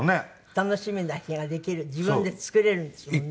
楽しみな日ができる自分で作れるんですもんね。